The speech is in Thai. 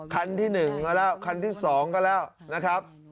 คันที่หนึ่งก็แล้วคันที่สองก็แล้วนะครับ